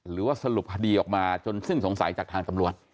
หรือว่าสรุปคดีออกมาจนสิ้นสงสัยจากทางตำรวจ